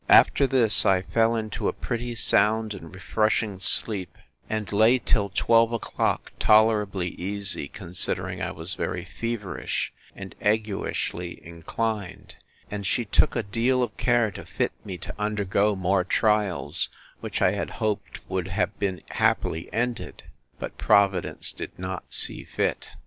After this, I fell into a pretty sound and refreshing sleep, and lay till twelve o'clock, tolerably easy, considering I was very feverish, and aguishly inclined; and she took a deal of care to fit me to undergo more trials, which I had hoped would have been happily ended: but Providence did not see fit.